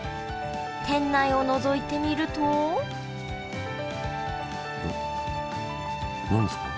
店内をのぞいてみると何ですか？